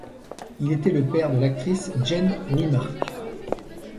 Il était le père de l'actrice Jane Wymark.